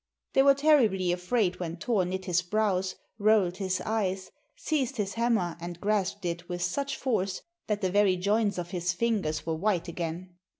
They were terribly afraid when Thor knit his brows, rolled his eyes, seized his hammer, and grasped it with such force that the very joints of his fingers were white again.